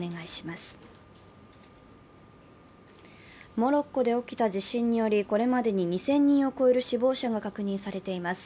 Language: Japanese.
モロッコで起きた地震により、これまでに２０００人を超える死亡者が確認されています。